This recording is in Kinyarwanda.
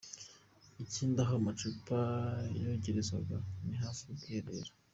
Ikindi aho amacupa yogerezwa ni hafi y’ubwiherero.”